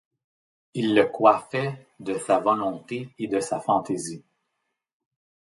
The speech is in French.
Il le coiffait de sa volonté et de sa fantaisie.